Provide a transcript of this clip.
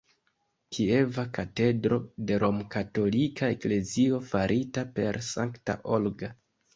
Kieva katedro de Romkatolika Eklezio, farita per Sankta Olga.